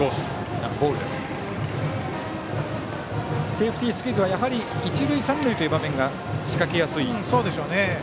セーフティースクイズはやはり一塁三塁という場面がそうでしょうね。